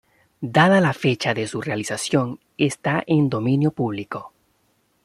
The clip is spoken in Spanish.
Dada la fecha de su realización está en dominio público.